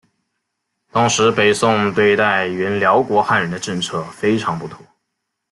当时北宋对待原辽国汉人的政策非常不妥。